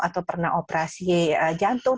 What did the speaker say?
atau pernah operasi jantung